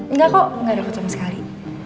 enggak kok gak repot sama sekali